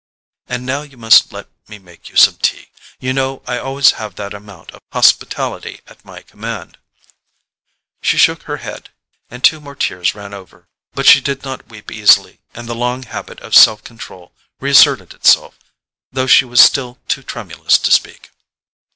"And now you must let me make you some tea: you know I always have that amount of hospitality at my command." She shook her head, and two more tears ran over. But she did not weep easily, and the long habit of self control reasserted itself, though she was still too tremulous to speak.